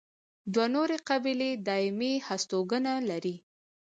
دوه نورې قبیلې دایمي هستوګنه لري.